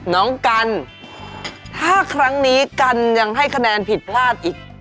น้องกันถ้าครั้งนี้กันยังให้คะแนนผิดพลาดอีก